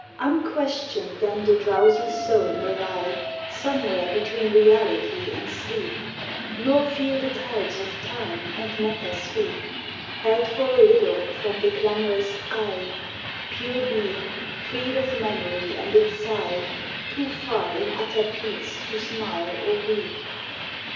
Unquestioned then the drowsy soul may lie, Somewhere between reality and sleep, Nor feel the tides of Time and matter sweep Held for a little from the clamorous "I", Pure being, freed of memory and its sigh, Too far in utter peace to smile or weep.